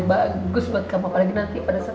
bagus buat kamu apalagi nanti pada saat